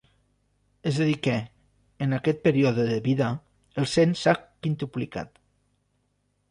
És a dir que, en aquest període de vida, el Cens s'ha quintuplicat.